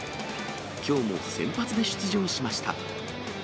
きょうも先発で出場しました。